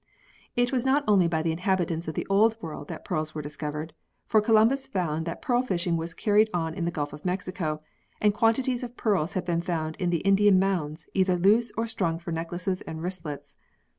It was not only by the inhabitants of the Old World that pearls were discovered, for Columbus found that pearl fishing was carried on in the Gulf of Mexico, and quantities of pearls have been found in the Indian mounds, either loose or strung for neck laces and wristlets.